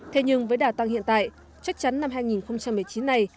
thế nhưng với đả tăng hiện tại chắc chắn năm hai nghìn một mươi chín này